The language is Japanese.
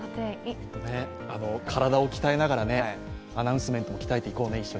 体を鍛えながら、アナウンスメントも鍛えていこうね。